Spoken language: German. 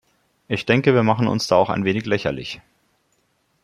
Ich denke, wir machen uns da auch ein wenig lächerlich.